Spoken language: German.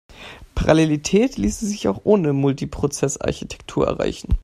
Parallelität ließe sich auch ohne Multiprozess-Architektur erreichen.